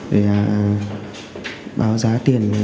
để báo giá tiền